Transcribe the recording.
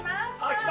来た。